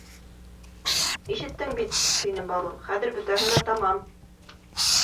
— Ишеттең бит, — тине Балу, — хәҙер бөтәһе лә тамам.